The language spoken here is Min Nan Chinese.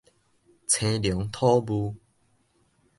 青龍吐霧